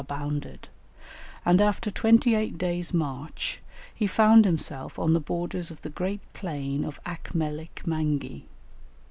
abounded, and after twenty eight days' march he found himself on the borders of the great plain of Acmelic mangi.